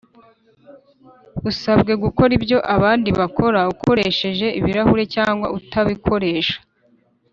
usabwe gukora ibyo abandi bakora ukoresha ibirahure cyangwa utabikoresha